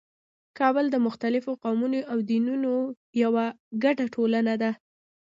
کابل د مختلفو قومونو او دینونو یوه ګډه ټولنه ده.